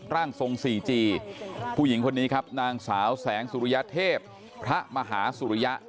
ร่างทรงสี่จีผู้หญิงคนนี้ครับนางสาวแสงสุริยเทพพระมหาสุริยะ